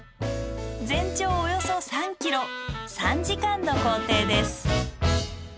全長およそ３ｋｍ３時間の行程です。